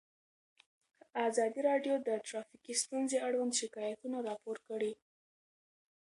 ازادي راډیو د ټرافیکي ستونزې اړوند شکایتونه راپور کړي.